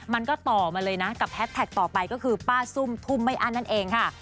มันก็ต่อมาเลยนะกับแท็กต่อไปก็คือป้าซุ่มทุ่มไม่อั้นนั่นเองค่ะ